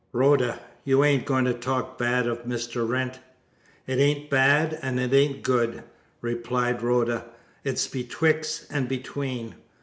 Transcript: "Rhoda! You ain't going to talk bad of Mr. Wrent?" "It ain't bad, and it ain't good," replied Rhoda. "It's betwixt and between."